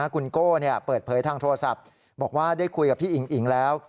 คุณโก้เปิดเผยทางโทรศัพท์บอกว่าได้คุยกับพี่อิ๋งอิ๋งแล้ว